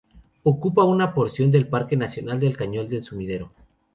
Ocupa una porción del Parque Nacional del Cañón del Sumidero.